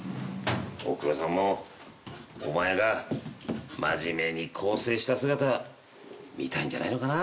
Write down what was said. おふくろさんもお前が真面目に更生した姿見たいんじゃないのかな？